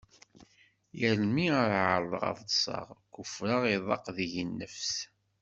Yal mi ara ɛerḍeɣ ad ṭseɣ, kufreɣ iḍaq deg-i nnefs.